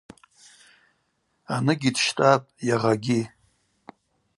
Аныгьи дщтӏапӏ, йагъагьи.